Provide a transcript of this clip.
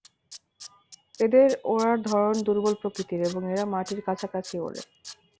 এদের ওড়ার ধরন দূর্বল প্রকৃতির এবং এরা মাটির কাছাকাছি ওড়ে।